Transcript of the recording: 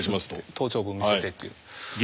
頭頂部見せてっていう。